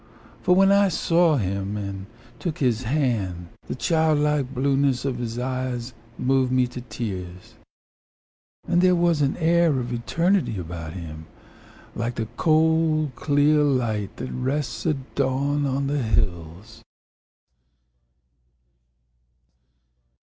For when I saw him And took his hand, The child like blueness of his eyes Moved me to tears, And there was an air of eternity about him, Like the cold, clear light that rests at dawn On the hills!